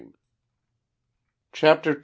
31 CHAPTER IT.